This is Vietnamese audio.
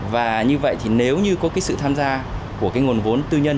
và như vậy thì nếu như có sự tham gia của nguồn vốn tư nhân